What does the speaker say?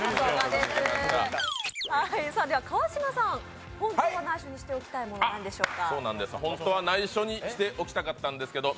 では川島さん、本当は内緒にしておきたいものは何でしょうか。